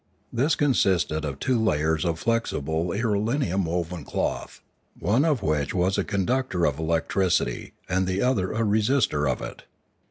This consisted of two layers of flexible irelium woven cloth, one of which was a conductor of electricity and the other a resister of it.